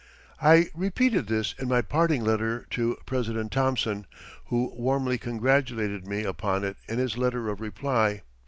I repeated this in my parting letter to President Thomson, who warmly congratulated me upon it in his letter of reply.